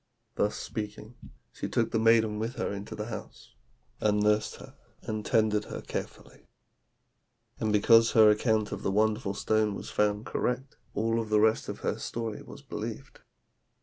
"Thus speaking, she took the maiden with her into the house, and nursed her, and tended her carefully. And because her account of the wonderful stone was found correct, all the rest of her story was believed.